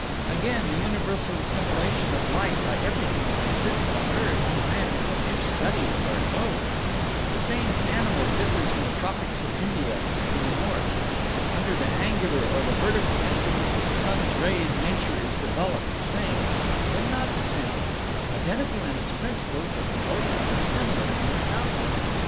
Again, the universal assimilation of light by everything that exists on earth demands a new study of our globe. The same animal differs in the tropics of India and in the North. Under the angular or the vertical incidence of the sun's rays nature is developed the same, but not the same; identical in its principles, but totally dissimilar in its outcome.